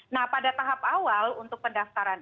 nah pada tahap awal untuk pendaftaran